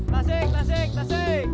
tasik tasik tasik